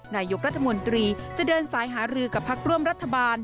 นายกรัฐมนตรีจะเดินสายหารือกับพักร่วมรัฐบาล